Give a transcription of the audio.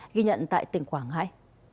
ghi nhận tại tỉnh quảng ngãi